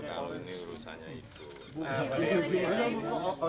nanti langsung ke jaya pak